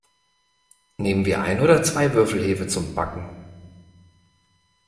Nehmen wir ein oder zwei Würfel Hefe zum Backen?